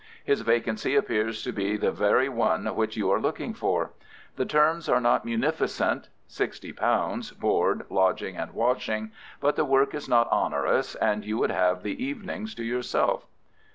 His vacancy appears to be the very one which you are looking for. The terms are not munificent—sixty pounds, board, lodging, and washing—but the work is not onerous, and you would have the evenings to yourself."